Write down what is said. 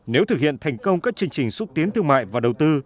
nếu thực hiện thành công các chương trình xúc tiến thương mại và đầu tư